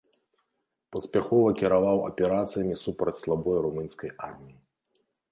Паспяхова кіраваў аперацыямі супраць слабой румынскай арміі.